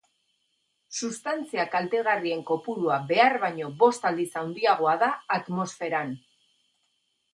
Substantzia kaltegarrien kopurua behar baino bost aldiz handiagoa da atmosferan.